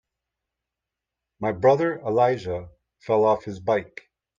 My brother Elijah fell off his bike.